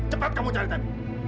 cepat kamu cari kami